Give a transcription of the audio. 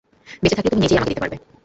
বেঁচে থাকলে তুমি নিজেই আমাকে দিতে পারবে।